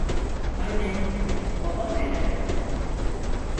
Anne, babam nerede?